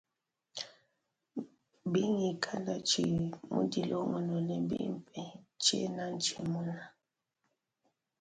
Bingikala tshinyi mudilongolole bimpe, tshena ntshienuna.